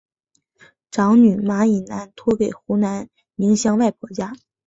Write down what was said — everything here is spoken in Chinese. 长女马以南托给湖南宁乡外婆家。